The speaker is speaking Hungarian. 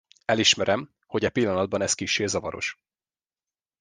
Elismerem, hogy e pillanatban ez kissé zavaros.